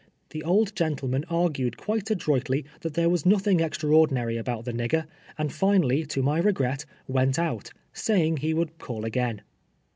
The old gentleman argued quite adroitly that there was nothing extraordinary about the nigger, and finally, to my regret, went out, saying he would call again.